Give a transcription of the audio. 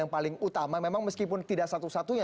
yang paling utama memang meskipun tidak satu satunya